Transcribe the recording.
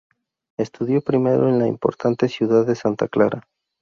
Estudió primero en la importante ciudad de Santa Clara.